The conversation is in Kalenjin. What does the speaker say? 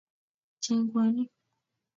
cheng kwenik